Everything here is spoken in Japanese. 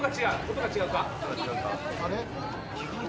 音が違うか。